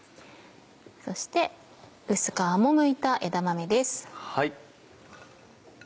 そして薄皮もむいた枝豆です。